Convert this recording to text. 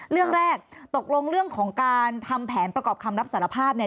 เรื่องแรกตกลงเรื่องของการทำแผนประกอบคำรับสารภาพเนี่ย